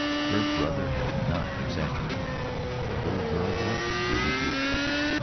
Her brother had not exaggerated the little girl was really beautiful.